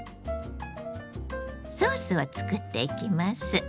ソースを作っていきます。